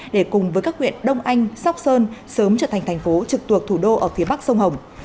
để cùng với các huyện đông anh sóc sơn sớm trở thành thành phố trực thuộc thủ đô ở phía bắc sông hồng